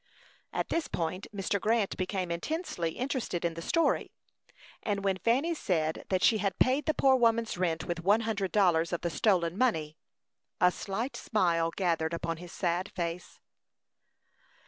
At this point Mr. Grant became intensely interested in the story, and when Fanny said that she had paid the poor woman's rent with one hundred dollars of the stolen money, a slight smile gathered upon his sad face.